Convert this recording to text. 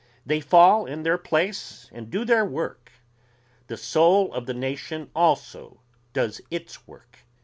they fall in their place and do their work. The soul of the nation also does its work.